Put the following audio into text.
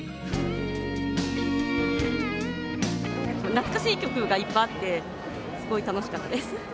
懐かしい曲がいっぱいあって、すごい楽しかったです。